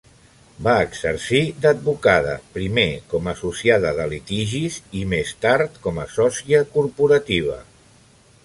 Va exercir d'advocada primer com a associada de litigis i més tard com a sòcia corporativa.